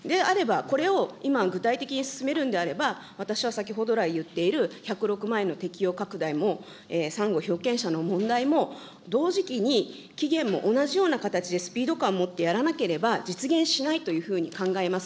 であれば、これを今、具体的に進めるんであれば、私が先ほど来いっている１０６万円の適用拡大も３号被保険者の問題も同時期に期限も同じような形でスピード感をもってやらなければ、実現しないというふうに考えます。